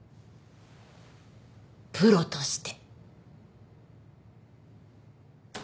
プロとして。